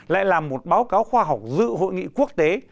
lại làm một báo cáo khoa học dự hội nghị quốc tế